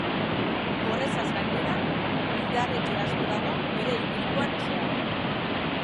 Horrezaz gainera, indarretxe asko dago bere ibilguan zehar.